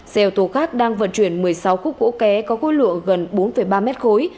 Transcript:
xe ô tô khác đang vận chuyển một mươi sáu khúc gỗ ké có quốc lượng gần bốn ba mét khối